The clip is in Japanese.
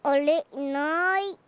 いない。